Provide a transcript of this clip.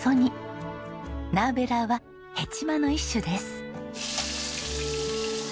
ナーベーラーはヘチマの一種です。